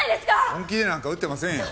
本気でなんか打ってませんよ。